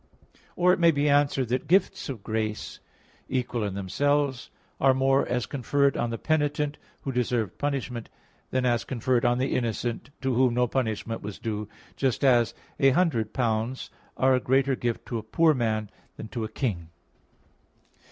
Or it may be answered that gifts of grace, equal in themselves, are more as conferred on the penitent, who deserved punishment, than as conferred on the innocent, to whom no punishment was due; just as a hundred pounds [marcoe] are a greater gift to a poor man than to a king.